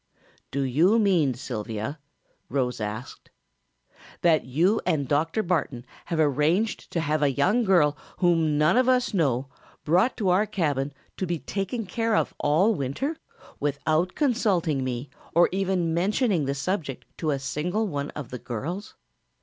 "Do you mean, Sylvia," Rose asked, "that you and Dr. Barton have arranged to have a young girl whom none of us know brought to our cabin to be taken care of all winter, without consulting me or even mentioning the subject to a single one of the girls?